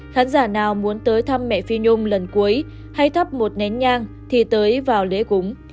khán giả nào muốn tới thăm mẹ phi nhôm lần cuối hay thắp một nén nhang thì tới vào lễ cúng